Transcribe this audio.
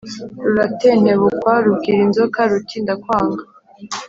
ruratentebukwa, rubwira inzoka, ruti ndakwanga«